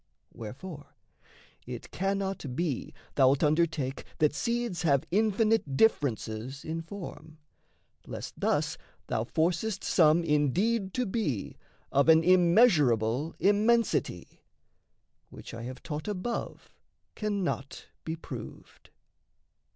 Wherefore, it cannot be thou'lt undertake That seeds have infinite differences in form, Lest thus thou forcest some indeed to be Of an immeasurable immensity Which I have taught above cannot be proved.